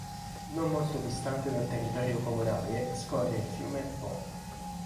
Non molto distante dal territorio comunale scorre il fiume Po.